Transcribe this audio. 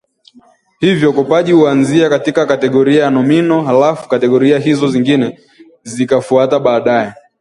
hivyo ukopaji huanzia katika kategoria ya nomino halafu kategoria hizo nyingine zikafuata baadae